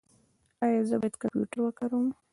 ایا زه باید کمپیوټر وکاروم؟